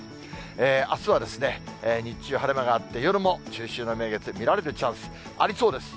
あすは日中晴れ間があって、夜も中秋の名月、見られるチャンスありそうです。